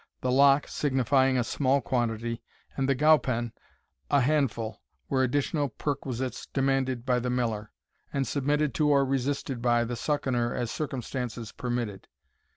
The lock, signifying a small quantity, and the gowpen, a handful, were additional perquisites demanded by the miller, and submitted to or resisted by the Suckener as circumstances permitted.